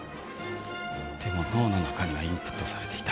でも脳の中にはインプットされていた。